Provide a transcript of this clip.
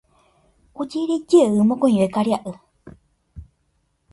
Ojerejey mokõive karia'y.